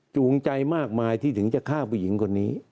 จูงใจมากมายที่ถึงจะฆ่าผู้หญิงคนนี้